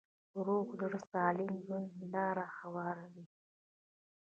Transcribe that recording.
روغ زړه سالم ژوند ته لاره هواروي.